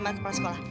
masuk ke sekolah